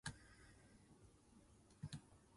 了後